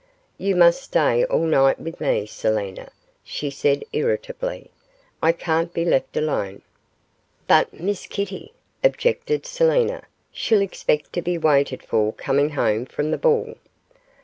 'You must stay all night with me, Selina,' she said, irritably. 'I can't be left alone.' 'But, Miss Kitty,' objected Selina, 'she'll expect to be waited for coming home from the ball.